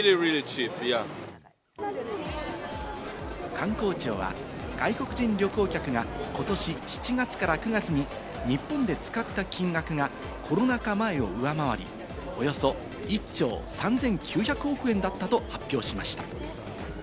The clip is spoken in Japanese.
観光庁は外国人旅行客がことし７月から９月に日本で使った金額がコロナ禍前を上回り、およそ１兆３９００億円だったと発表しました。